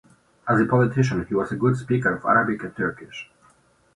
As a politician he was a good speaker of Arabic and Turkish.